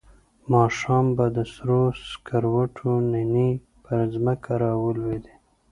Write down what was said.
ماښام به د سرو سکروټو نینې پر ځمکه را لوېدې.